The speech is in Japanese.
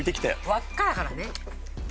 輪っかだからね。